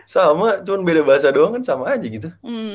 sama cuma beda bahasa doang kan sama aja gitu